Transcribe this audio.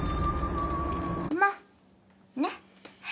まあねっ。